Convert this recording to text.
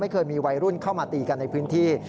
เคยมีวัยรุ่นเข้ามาตีกันในพื้นที่